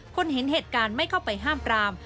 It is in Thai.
คนเห็นเหตุการณ์ไม่เข้าไปห้ามปราม